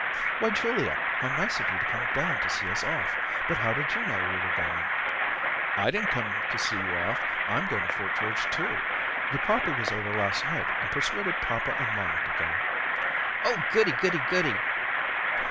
"Why, Julia, how nice of you to come down to see us off, but how did you know we were going?" "I didn't come to see you off; I'm going to Fort George, too. Your papa was over last night and persuaded papa and mamma to go." "Oh goody, goody, goody."